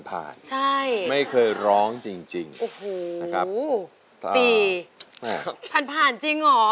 ผ่านจริงเหรอ